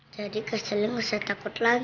jadi kak selly tidak usah takut lagi